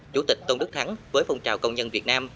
chủ tịch tôn đức thắng với phong trào công nhân việt nam